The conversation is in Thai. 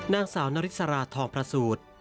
นางสาวนฤษราทองพระสูตร